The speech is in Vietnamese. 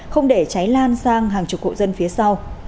không để cháy lan sang hàng chục hộ dân phía sau